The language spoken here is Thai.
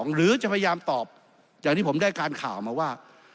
หรือจะพยายามตอบอย่างที่ผมได้การข่าวมาว่า